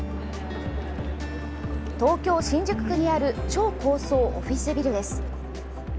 東京・新宿区にある超高層オフィスビルです。